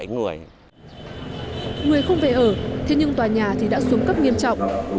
người không về ở thế nhưng tòa nhà thì đã xuống cấp nghiêm trọng